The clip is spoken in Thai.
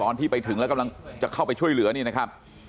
ตอนที่ไปถึงแล้วกำลังจะเข้าไปช่วยเหลือนี่นะครับ